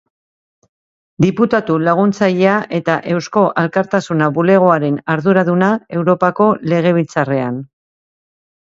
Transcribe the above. Diputatu laguntzailea eta Eusko Alkartasuna bulegoaren arduraduna Europako Legebiltzarrean